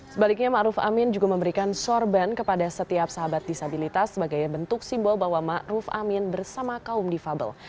sebaliknya ma'ruf amin juga memberikan sorban kepada setiap sahabat disabilitas sebagai bentuk simbol bahwa ma'ruf amin bersama kaum difabel